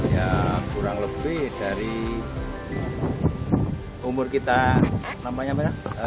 ya kurang lebih dari umur kita namanya merah